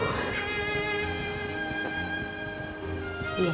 amirna tolong keluar